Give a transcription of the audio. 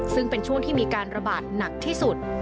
ซึ่งเป็นช่วงที่มีการระบาดหนักที่สุด